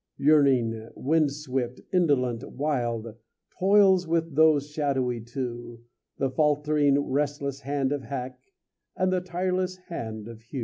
Yearning, wind swift, indolent, wild, Toils with those shadowy two, The faltering restless hand of Hack, And the tireless hand of Hew.